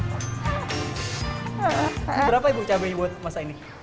berapa ibu cabainya buat masa ini